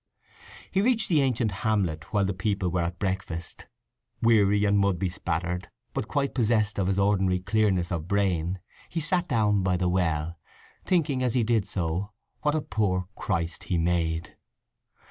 He reached the ancient hamlet while the people were at breakfast. Weary and mud bespattered, but quite possessed of his ordinary clearness of brain, he sat down by the well, thinking as he did so what a poor Christ he made.